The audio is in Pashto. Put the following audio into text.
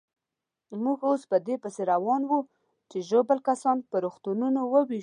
موږ اوس په دې پسې روان وو چې ژوبل کسان پر روغتونو وېشو.